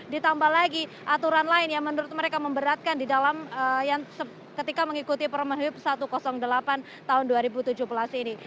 ditambah lagi aturan lain yang menurut mereka memberatkan di dalam ketika mengikuti permen hub satu ratus delapan tahun dua ribu tujuh belas ini